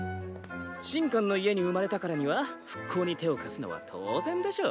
神官の家に生まれたからには復興に手を貸すのは当然でしょ。